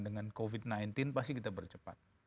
dengan covid sembilan belas pasti kita bercepat